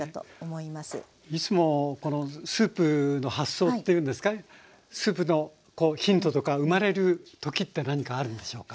いつもスープの発想っていうんですかスープのヒントとか生まれる時って何かあるんでしょうか。